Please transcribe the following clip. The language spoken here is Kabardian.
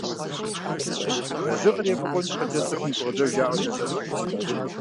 Лэжьыгъэр ефӀэкӀуэн щхьэкӀэ цӀыхум гукъыдэж яӀэу лэжьэн хуейщ.